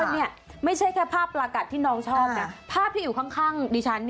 นี่ไม่ใช่แค่ภาพประกัดที่น้องชอบนะภาพที่อยู่ข้างดิฉัน